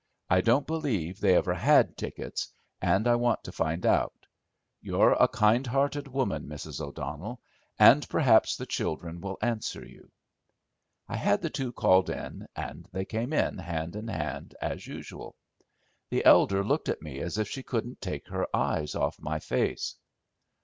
I don't believe they ever had tickets, and I want to find out. You're a kind hearted woman, Mrs. O'Donnell, and perhaps the children will answer you." I had the two called in, and they came hand in hand as usual. The elder looked at me as if she couldn't take her eyes off my face.